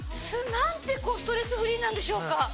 何てこうストレスフリーなんでしょうか。